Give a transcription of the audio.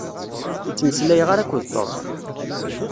Ur ttmeslay ara akked Tom.